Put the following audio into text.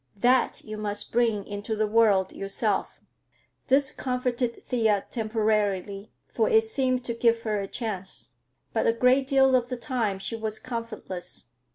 That you must bring into the world yourself." This comforted Thea temporarily, for it seemed to give her a chance. But a great deal of the time she was comfortless.